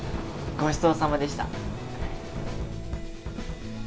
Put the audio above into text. ごちそうさまでした。